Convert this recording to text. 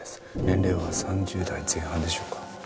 年齢は三十代前半でしょうか。